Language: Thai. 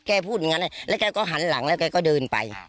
พูดอย่างนั้นแล้วแกก็หันหลังแล้วแกก็เดินไป